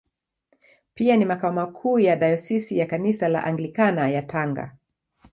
Pia ni makao makuu ya Dayosisi ya Kanisa la Anglikana ya Tanga.